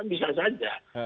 itu bisa saja